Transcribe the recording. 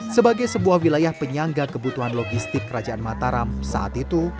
sebagai sebuah wilayah penyangga kebutuhan logistik kerajaan mataram saat itu